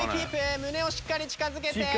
胸をしっかり近づけて。